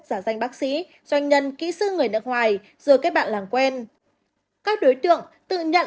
giả danh bác sĩ doanh nhân kỹ sư người nước ngoài rồi các bạn làm quen các đối tượng tự nhận